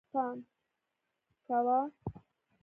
پام کوه